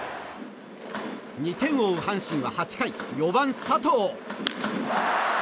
２点を追う阪神は８回４番、佐藤。